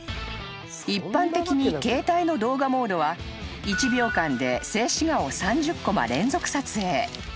［一般的に携帯の動画モードは１秒間で静止画を３０コマ連続撮影］